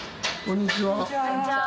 こんにちは。